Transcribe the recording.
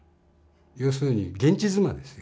要するに現地妻ですよ